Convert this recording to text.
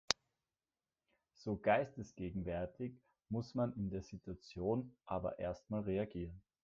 So geistesgegenwärtig muss man in der Situation aber erstmal reagieren.